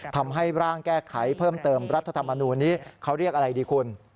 ทำให้ร่างแก้ไขเพิ่มเติมรัฐธรรมนูลนี้เขาเรียกอะไรดีคุณ